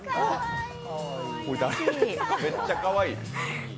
めっちゃかわいい。